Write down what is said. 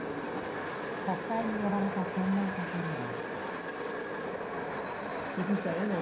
国会に呼ばれた専門家からは。